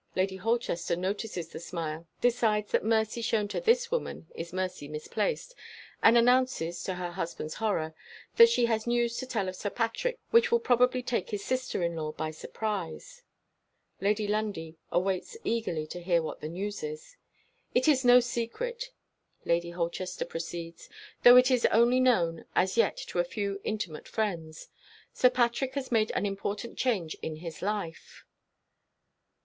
Lady Holchester notices the smile; decides that mercy shown to this woman is mercy misplaced; and announces (to her husband's horror) that she has news to tell of Sir Patrick, which will probably take his sister in law by surprise. Lady Lundie waits eagerly to hear what the news is. "It is no secret," Lady Holchester proceeds "though it is only known, as yet to a few intimate friends. Sir Patrick has made an important change in his life."